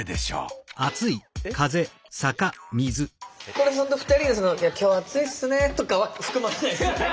これ２人が「今日暑いっすね」とかは含まれないですよね？